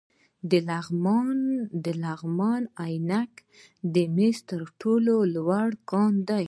د لغمان عينک د مسو تر ټولو لوی کان دی